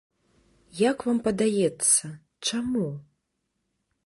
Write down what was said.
Як вам падаецца, чаму?